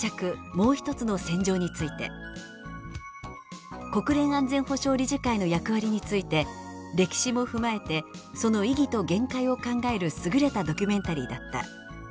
・もうひとつの“戦場”」について「国連安全保障理事会の役割について歴史も踏まえてその意義と限界を考える優れたドキュメンタリーだった」